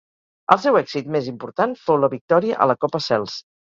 El seu èxit més important fou la victòria a la Copa Sels.